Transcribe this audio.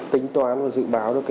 tính toán và dự báo được